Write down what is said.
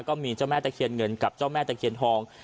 ก็มีเจ้าแม่ตะเคียนเงินกับเจ้าแม่ตะเคียนทอง